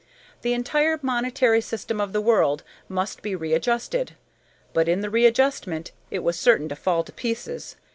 The entire monetary system of the world must be readjusted, but in the readjustment it was certain to fall to pieces.